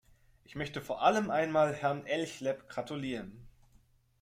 Ich möchte vor allem einmal Herrn Elchlepp gratulieren.